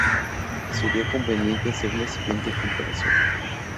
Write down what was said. Sería conveniente hacer la siguiente comparación.